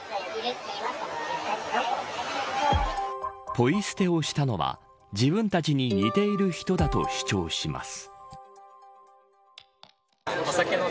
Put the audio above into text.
ぽい捨てをしたのは自分たちに似ている人だと主張します。